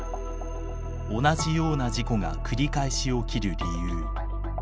同じような事故が繰り返し起きる理由。